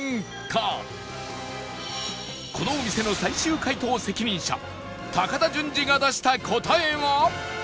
このお店の最終解答責任者高田純次が出した答えは？